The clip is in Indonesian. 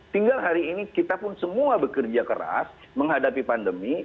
tinggal hari ini kita pun semua bekerja keras menghadapi pandemi